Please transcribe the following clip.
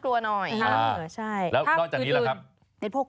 ค่ะนอกจากนี้ละครับ